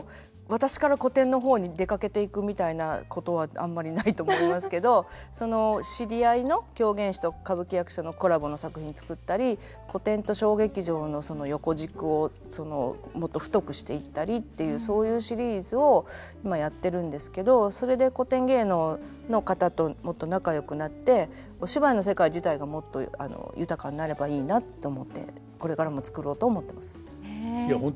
私から古典の方に出かけていくみたいなことはあんまりないと思いますけどその知り合いの狂言師と歌舞伎役者のコラボの作品作ったり古典と小劇場のその横軸をもっと太くしていったりっていうそういうシリーズを今やってるんですけどそれで古典芸能の方ともっと仲よくなってお芝居の世界自体がもっと豊かになればいいなと思ってこれからも作ろうと思ってます。